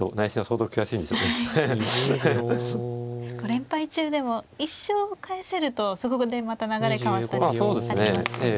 連敗中でも１勝を返せるとそこでまた流れ変わったりありますよね。